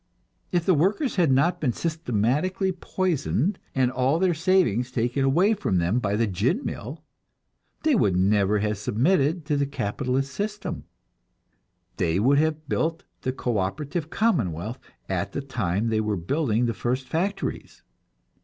If the workers had not been systematically poisoned, and all their savings taken from them by the gin mill, they would never have submitted to the capitalist system, they would have built the co operative commonwealth at the time they were building the first factories.